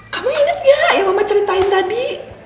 kamu inget gak ya mama ceritain tadi